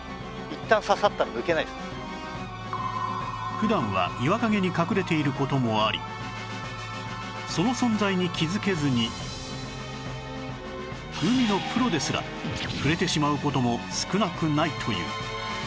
普段は岩陰に隠れている事もありその存在に気づけずに海のプロですら触れてしまう事も少なくないという